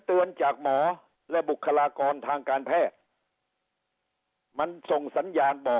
จากหมอและบุคลากรทางการแพทย์มันส่งสัญญาณบอก